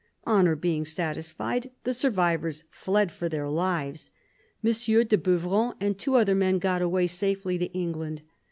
Honour being satis fied, the survivors fled for their lives. M. de Beuvron and two other men got away safely to England.